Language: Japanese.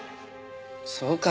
そうかな？